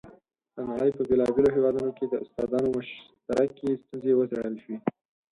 د نړۍ په بېلابېلو هېوادونو کې د استادانو مشترکې ستونزې وڅېړل شوې.